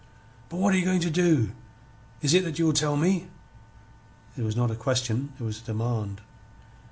"But what are you going to do? Is it that you will tell me?" It was not a question, it was a demand.